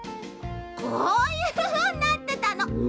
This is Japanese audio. こういうふうになってたの。